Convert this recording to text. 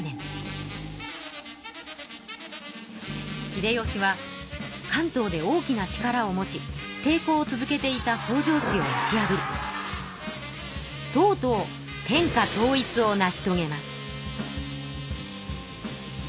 秀吉は関東で大きな力を持ちていこうを続けていた北条氏を打ち破りとうとう天下統一を成しとげます。